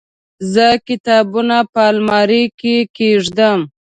زه کتابونه په المارۍ کې کيږدم.